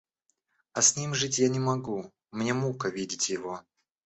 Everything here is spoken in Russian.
А с ним жить я не могу, мне мука видеть его.